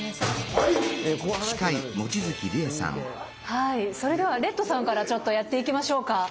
はいそれではレッドさんからちょっとやっていきましょうか！